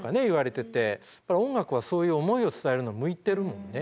音楽はそういう思いを伝えるの向いてるもんね。